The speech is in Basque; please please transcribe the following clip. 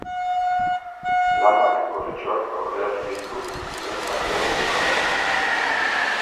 Lamak gorritxoak aurreratu ditu lehen zatiaren bukaeran.